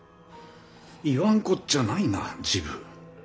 言わんこっちゃないな治部。